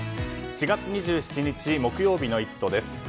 ４月２７日木曜日の「イット！」です。